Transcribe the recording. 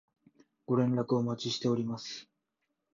ご連絡お待ちしております